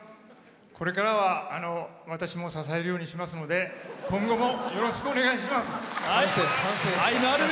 これからは私も支えるようにしますので今後もよろしくお願いします。